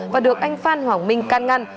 và được anh phan hoàng minh can ngăn